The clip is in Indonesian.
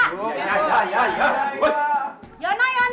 yona yona cepat dibantu sini wong